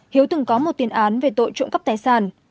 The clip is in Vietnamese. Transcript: hiếu từng có một tiền án về tội trộm cắp tài sản